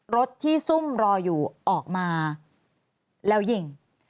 รถที่ซุ่มรออยู่ออกมาแล้วยิง